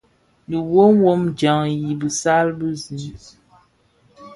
Dhi wom wom dyaňdi i bisal bize.